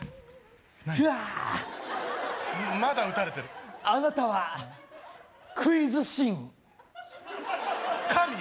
ひゃーまだ打たれてるあなたはクイズ神神？